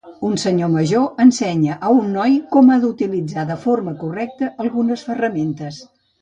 Un senyor major ensenya a un noi com ha d'utilitzar de forma correcta algunes ferramentes.